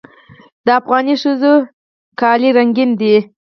د افغاني ښځو جامې رنګینې دي.